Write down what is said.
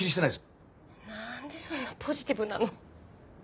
なんでそんなポジティブなの？